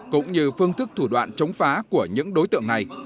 cũng như phương thức thủ đoạn chống phá của những đối tượng này